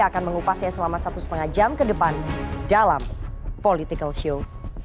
akan mengupasnya selama satu lima jam ke depan dalam political show